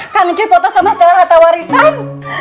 kak ngaceng foto sama stella atau warisan